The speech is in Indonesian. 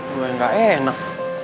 gua gak enak